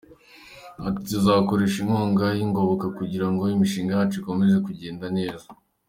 Ati “ Tuzakoresha inkunga y’ingoboka kugira ngo imishinga yacu ikomeze kugenda neza.